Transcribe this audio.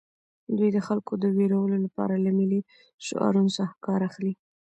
دوی د خلکو د ویرولو لپاره له ملي شعارونو څخه کار اخلي